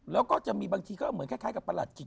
แล้วก็จะมีบางทีก็เหมือนคล้ายกับประหลัดกิจ